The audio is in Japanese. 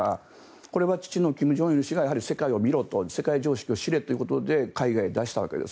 これは父の金正日氏がやはり世界を見ろと世界常識を知れということで海外へ出したわけです。